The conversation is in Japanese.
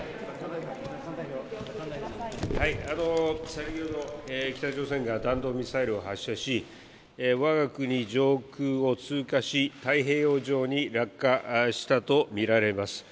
先ほど、北朝鮮が弾道ミサイルを発射し、わが国上空を通過し、太平洋上に落下したと見られます。